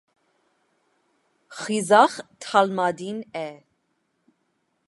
Խիզախ դալմատին է։